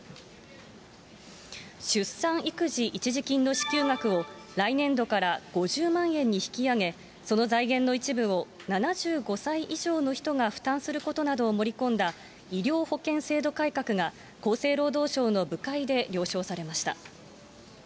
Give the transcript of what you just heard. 出産育児一時金の支給額を来年度から５０万円に引き上げ、その財源の一部を７５歳以上の人が負担することなどを盛り込んだ医療保険制度改革が厚生労働省の部会で了承されました。